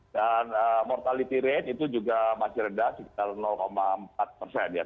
dan mortality rate itu juga masih rendah sekitar empat persen